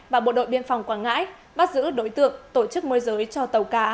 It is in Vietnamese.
và bộ đội biên phòng quảng ngãi bắt giữ đối tượng tổ chức môi giới cho tàu cá